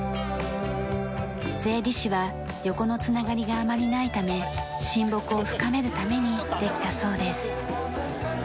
税理士は横のつながりがあまりないため親睦を深めるためにできたそうです。